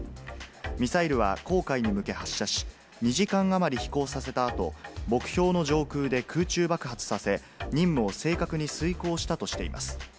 ミサイルは黄海に向け発射し、２時間余り飛行させたあと、目標の上空で空中爆発させ、任務を正確に遂行したとしています。